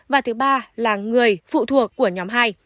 và thứ ba là người phụ thuộc của nhóm hai